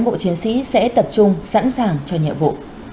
sau đó mỗi cán bộ chiến sĩ sẽ tập trung sẵn sàng cho nhiệm vụ